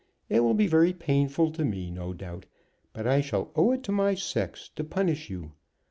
It will be very painful to me, no doubt, but I shall owe it to my sex to punish you.